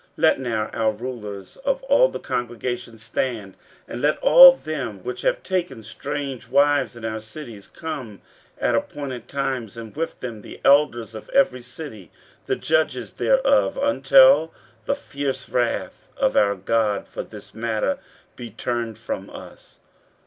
15:010:014 Let now our rulers of all the congregation stand, and let all them which have taken strange wives in our cities come at appointed times, and with them the elders of every city, and the judges thereof, until the fierce wrath of our God for this matter be turned from us.